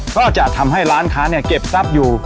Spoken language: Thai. ก็จะทำให้ร้านค้าเนี่ยเก็บทรัพย์อยู่